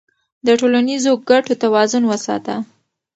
د ټولنیزو ګټو توازن وساته.